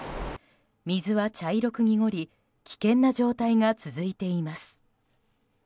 水は茶色く濁り危険な状態が続いています。